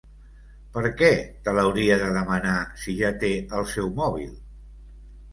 Per què te l'hauria de demanar, si ja té el seu mòbil?